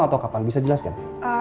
atau kapan bisa jelaskan